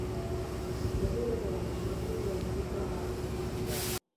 Bete-betean asmatu zuen gizon hark.